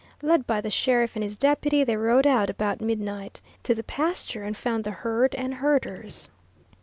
Led by the sheriff and his deputy, they rode out about midnight to the pasture and found the herd and herders.